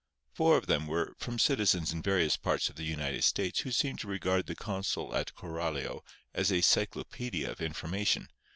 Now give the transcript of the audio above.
Four of them were from citizens in various parts of the United States who seemed to regard the consul at Coralio as a cyclopædia of information.